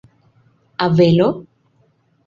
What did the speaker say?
Avelo?